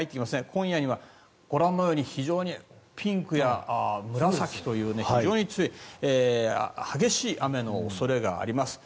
今夜にはご覧のように非常にピンクや紫という非常に強い激しい雨の恐れがあります。